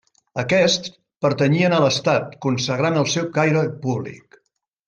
Aquests, pertanyien a l'Estat, consagrant el seu caire públic.